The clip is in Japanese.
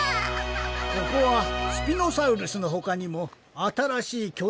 ここはスピノサウルスのほかにもあたらしいきょ